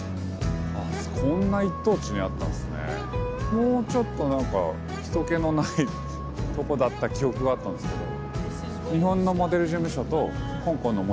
もうちょっと何か人けのないとこだった記憶があったんですけど。